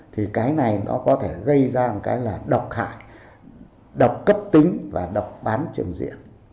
thì cái này nó có thể gây ra một cái là độc hại độc cấp tính và độc bán trường diễn